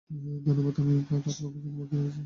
ধন্যবাদ, আমি কাজ করার জন্য মুখিয়ে রয়েছি।